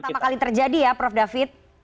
ini baru pertama kali terjadi ya prof david